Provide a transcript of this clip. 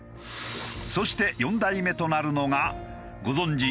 そして４代目となるのがご存じ